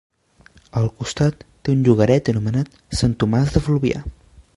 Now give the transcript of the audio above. Al costat té un llogaret anomenat Sant Tomàs de Fluvià.